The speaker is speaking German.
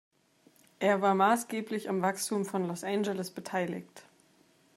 Er war maßgeblich am Wachstum von Los Angeles beteiligt.